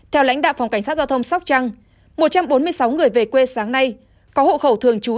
theo lãnh đạo phòng cảnh sát giao thông sóc trăng một trăm bốn mươi sáu người về quê sáng nay có hộ khẩu thường trú